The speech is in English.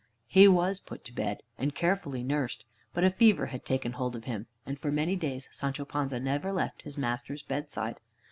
He was put to bed, and carefully nursed. But a fever had taken hold of him, and for many days Sancho Panza never left his master's bedside.